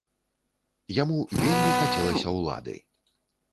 Яму вельмі хацелася ўлады.